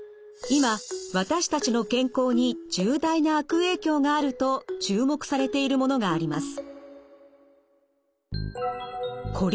今私たちの健康に重大な悪影響があると注目されているものがあります。